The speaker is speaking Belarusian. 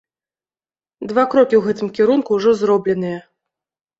Два крокі ў гэтым кірунку ўжо зробленыя.